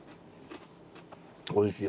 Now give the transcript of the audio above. おいしい。